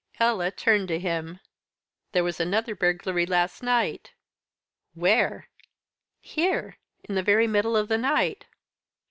Ella turned to him. "There was another burglary last night." "Where?" "Here in the very middle of the night."